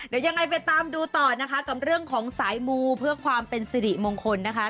เดี๋ยวยังไงไปตามดูต่อนะคะกับเรื่องของสายมูเพื่อความเป็นสิริมงคลนะคะ